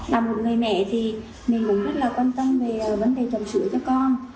là một người mẹ thì mình cũng rất là quan tâm về vấn đề trồng sữa cho con